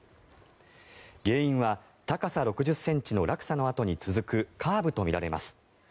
原因は高さ６０ｃｍの落差のあとに続くカーブとみられます。